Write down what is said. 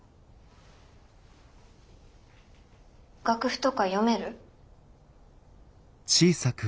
楽譜とか読める？